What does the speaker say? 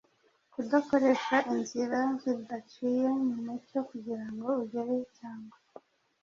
Kudakoresha inzira zidaciye mu mucyo kugira ngo ugere cyangwa